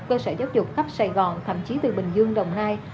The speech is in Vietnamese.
cơ sở giáo dục khắp sài gòn thậm chí từ bình dương đồng nai